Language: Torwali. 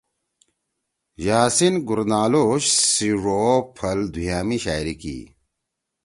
یاسین گورنالوش سی ڙو او پھل دُھوئیا می شاعری کی یی۔